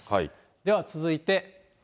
では続いて。